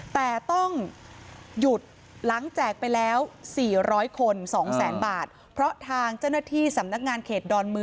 แต่ต้องหยุดหลังแจกไปแล้ว๔๐๐คน๒แสนบาทเพราะทางเจ้าหน้าที่สำนักงานเขตดอนมือ